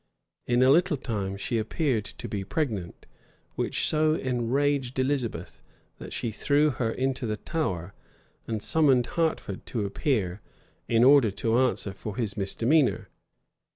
In a little time she appeared to be pregnant, which so enraged Elizabeth, that she threw her into the Tower, and summoned Hertford to appear, in order to answer for his misdemeanor.